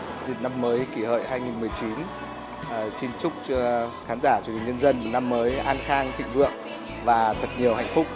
dịp năm mới kỷ hợi hai nghìn một mươi chín xin chúc khán giả truyền hình nhân dân một năm mới an khang thịnh vượng và thật nhiều hạnh phúc